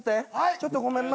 ちょっとごめんな。